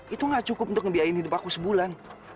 itu gak cukup untuk ngebiayain hidup aku sebulan